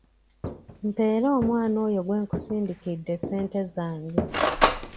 Mpeera omwana oyo gwe nkusindikidde ssente zange.